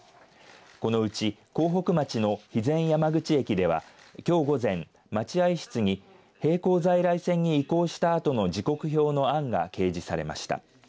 このうち江北町の肥前山口駅ではきょう午前、待合室に並行在来線に移行したあとの時刻表の案が掲示されました。